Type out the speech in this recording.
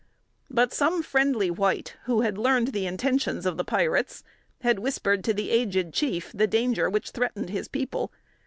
But some friendly white, who had learned the intentions of the pirates, had whispered to the aged chief the danger which threatened his people.